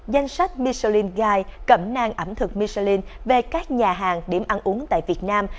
danh sách michelin guide về các nhà hàng điểm ăn uống tại việt nam